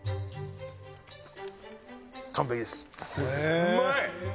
うまい！